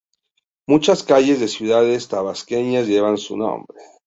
Muchas calles de ciudades tabasqueñas llevan su nombre.